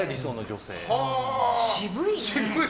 渋いね。